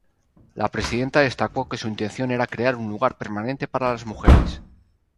La presidenta destacó que su intención era "crear un lugar permanente para las mujeres".